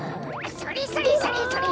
それそれそれそれ。